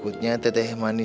ini capt raising